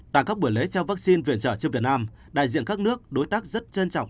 tại các buổi lễ trao vaccine viện trợ cho việt nam đại diện các nước đối tác rất trân trọng